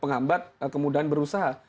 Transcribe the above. pengambat kemudahan berusaha